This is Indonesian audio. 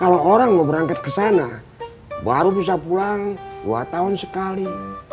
kalau orang mau berangkat ke sana baru bisa pulang dua tahun sekali